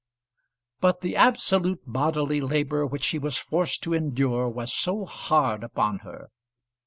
But the absolute bodily labour which she was forced to endure was so hard upon her!